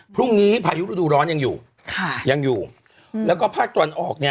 พรุ่งนี้พายุฤดูร้อนยังอยู่แล้วก็ภาคตอนออกเนี่ย